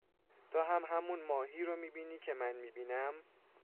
تو هم همون ماهی رو میبینی که من میبینم؟